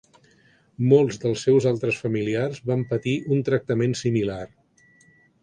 Molts dels seus altres familiars van patir un tractament similar.